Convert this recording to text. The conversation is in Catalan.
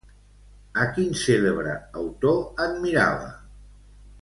A quin cèlebre autor admirava?